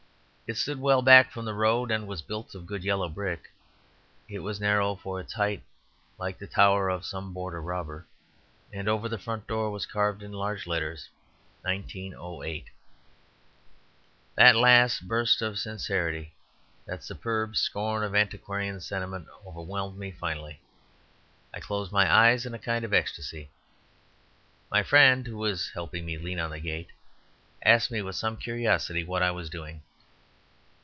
It stood well back from the road, and was built of a good yellow brick; it was narrow for its height, like the tower of some Border robber; and over the front door was carved in large letters, "1908." That last burst of sincerity, that superb scorn of antiquarian sentiment, overwhelmed me finally. I closed my eyes in a kind of ecstasy. My friend (who was helping me to lean on the gate) asked me with some curiosity what I was doing.